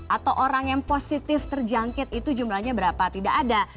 atau orang yang positif terjangkit itu jumlahnya berapa tidak ada